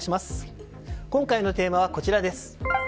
今回のテーマは、こちらです。